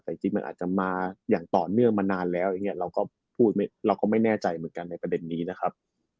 แต่จริงมันอาจจะมาอย่างต่อเนื่องมานานแล้วอย่างนี้เราก็พูดเราก็ไม่แน่ใจเหมือนกันในประเด็นนี้นะครับ